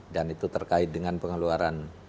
dan itu terkait dengan pengeluaran